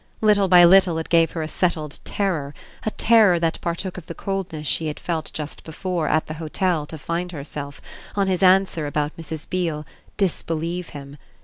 Little by little it gave her a settled terror, a terror that partook of the coldness she had felt just before, at the hotel, to find herself, on his answer about Mrs. Beale, disbelieve him.